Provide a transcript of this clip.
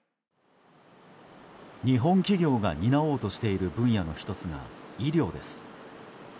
日本企業が担おうとしている分野の１つが医療です。